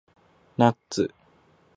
ナッツ